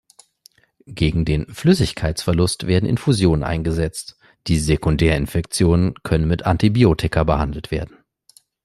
Gegen den Flüssigkeitsverlust werden Infusionen eingesetzt, die Sekundärinfektionen können mit Antibiotika behandelt werden.